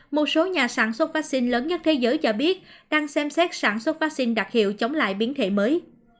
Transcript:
một số nhà sản xuất vaccine lớn nhất thế giới cho biết đang xem xét sản xuất vaccine đặc hiệu chống lại biến thể mới